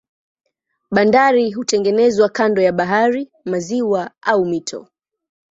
Bandari hutengenezwa kando ya bahari, maziwa au mito.